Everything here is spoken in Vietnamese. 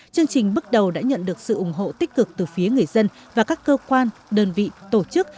chương trình bước đầu đã nhận được sự ủng hộ tích cực từ phía người dân và các cơ quan đơn vị tổ chức